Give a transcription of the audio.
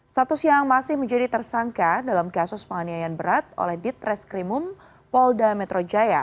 status yang masih menjadi tersangka dalam kasus penganiayaan berat oleh ditreskrimum polda metro jaya